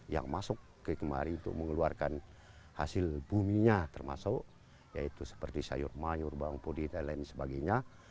yang masuk ke kemari untuk mengeluarkan hasil buminya termasuk yaitu seperti sayur mayur bawang putih dan lain sebagainya